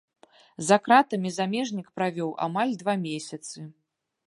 За кратамі замежнік правёў амаль два месяцы.